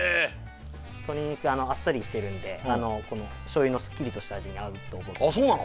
鶏肉あっさりしてるんでこの醤油のすっきりとした味に合うと思ってあっそうなの？